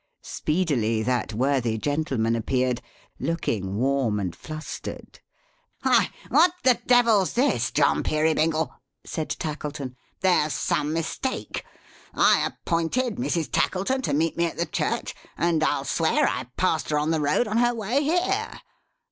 Speedily that worthy gentleman appeared: looking warm and flustered. "Why, what the Devil's this, John Peerybingle!" said Tackleton. "There's some mistake. I appointed Mrs. Tackleton to meet me at the church; and I'll swear I passed her on the road, on her way here.